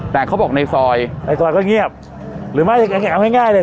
แต่เขาบอกในซอยในซอยก็เงียบหรือไม่เอาง่ายง่ายเลย